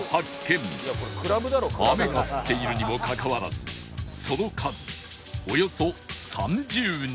雨が降っているにもかかわらずその数およそ３０人